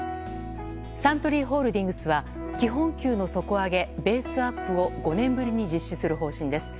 サントリーホールディングスは基本給の底上げベースアップを５年ぶりに実施する方向です。